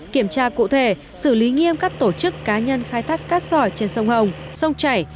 kiểm tra cụ thể xử lý nghiêm các tổ chức cá nhân khai thác cát sỏi trên sông hồng sông chảy